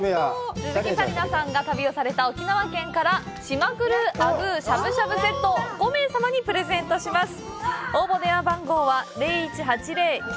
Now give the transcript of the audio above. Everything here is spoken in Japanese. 鈴木紗理奈さんが旅をされた沖縄から、「島黒アグーしゃぶしゃぶセット」を５名様にプレゼントします。